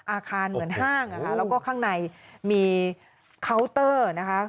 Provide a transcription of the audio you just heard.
อาคารเหมือนห้างนะคะแล้วก็ข้างในมีเคาน์เตอร์นะคะ